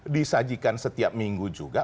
disajikan setiap minggu juga